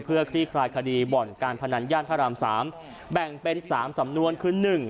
เพื่อคลี่คลายคดีบ่อนการพนันย่านพระราม๓แบ่งเป็น๓สำนวนคือ๑